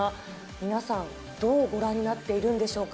皆さん、どうご覧になっているんでしょうか。